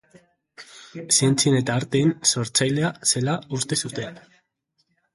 Zientzien eta arteen sortzailea zela uste zuten.